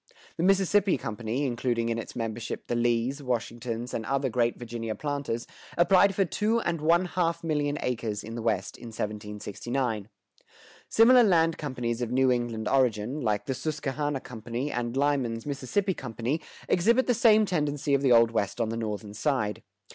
The Mississippi Company, including in its membership the Lees, Washingtons, and other great Virginia planters, applied for two and one half million acres in the West in 1769. Similar land companies of New England origin, like the Susquehanna Company and Lyman's Mississippi Company, exhibit the same tendency of the Old West on the northern side.